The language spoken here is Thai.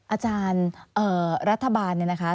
อาจารย์รัฐบาลเนี่ยนะคะ